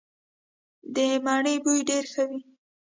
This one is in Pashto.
د مڼې بوی ډیر ښه وي.